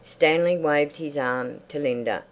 Stanley waved his arm to Linda.